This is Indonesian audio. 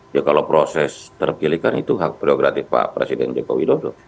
ya kalau proses terpilih kan itu hak prioritatif pak presiden joko widodo